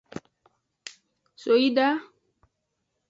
So yi da.